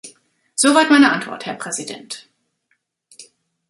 Soweit meine Antwort, Herr Präsident!